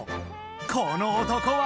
この男は！